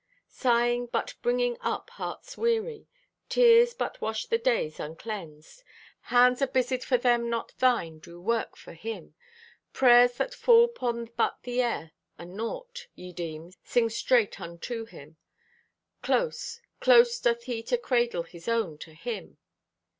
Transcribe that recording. "Sighing but bringeth up heart's weary; tears but wash the days acleansed; hands abusied for them not thine do work for Him; prayers that fall 'pon but the air and naught, ye deem, sing straight unto Him. Close, close doth He to cradle His own to Him."